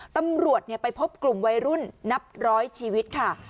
ตำรวจไปพบกลุ่มวัยรุ่นนับร้อยชีวิตค่ะ